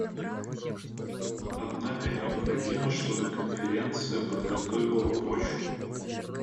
Однако необходимо, чтобы Конференция подготовила почву.